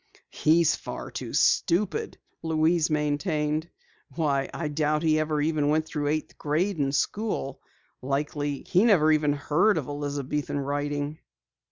"He's far too stupid," Louise maintained. "Why, I doubt that he ever went through eighth grade in school. Likely he never even heard of Elizabethan writing."